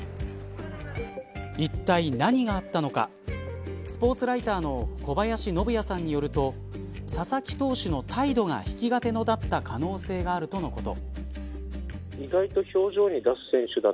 いったい何があったのかスポーツライターの小林信也さんによると佐々木投手の態度が引き金となった可能性があるとのこと。